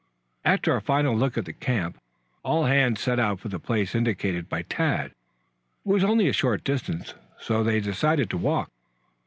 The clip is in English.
After a final look at the camp all hands set out for the place indicated by Tad. It was only a short distance, so they decided to walk.